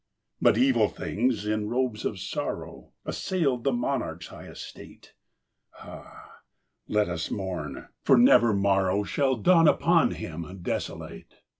But evil things, in robes of sorrow, Assailed the monarch's high estate. (Ah, let us mourn! for never morrow Shall dawn upon him desolate